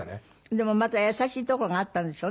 でもまた優しいところがあったんでしょうね。